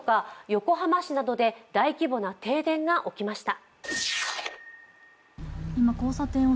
横浜市などで大規模な停電が起きました。